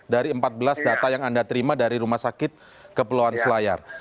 dari empat belas data yang anda terima dari rumah sakit kepulauan selayar